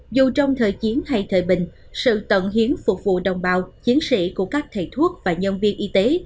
dù trong thời chiến hay thời bình sự tận hiến phục vụ đồng bào chiến sĩ của các thầy thuốc và nhân viên y tế